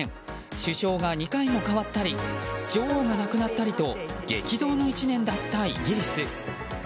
首相が２回も代わったり女王が亡くなったりと激動の１年だったイギリス。